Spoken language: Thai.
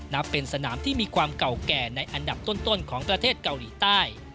นับเป็นสนามที่มีความเก่าแก่ในอันดับต้นของประเทศเกาหลีใต้